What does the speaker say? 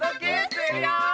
するよ！